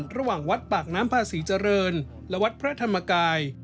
ระหว่างวัดปากน้ำพาศรีเจริญและวัดพระธรรมกาย